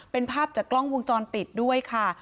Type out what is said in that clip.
เป็นภาพจากกล้องวงจรปิดด้วยค่ะ